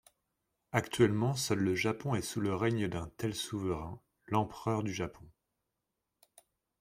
Actuellement, seul le Japon est sous le règne d'un tel souverain, l’empereur du Japon.